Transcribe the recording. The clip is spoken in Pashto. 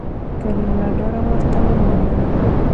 کريم له ډاره ورته ونه ويل